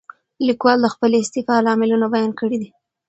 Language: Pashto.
لیکوال د خپلې استعفا لاملونه بیان کړي دي.